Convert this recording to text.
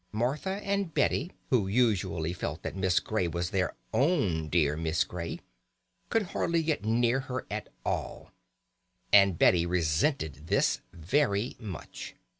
Martha and Betty, who naturally felt that Miss Grey was their own dear Miss Grey, could hardly get near her at all, and Betty resented this very much.